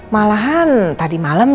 malahan tadi malam